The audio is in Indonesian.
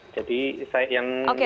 jadi saya yang kita ketahui kan